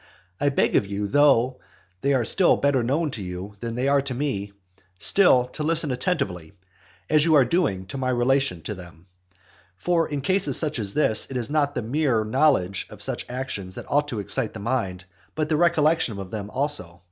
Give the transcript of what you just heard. And I beg of you, though they are far better known to you than they are to me, still to listen attentively, as you are doing, to my relation of them. For in such cases as this, it is not the mere knowledge of such actions that ought to excite the mind, but the recollection of them also.